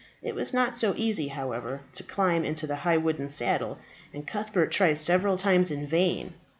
It was not so easy, however, to climb into the high wooden saddle, and Cuthbert tried several times in vain.